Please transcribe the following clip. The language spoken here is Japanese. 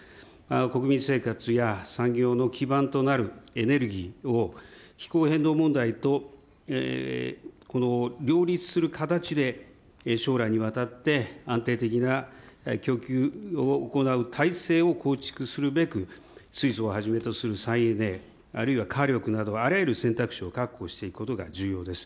国民生活や産業の基盤となるエネルギーを、気候変動問題と、この両立する形で、将来にわたって安定的な供給を行う体制を構築するべく、水素をはじめとする再エネ、あるいは火力など、あらゆる選択肢を確保していくことが重要です。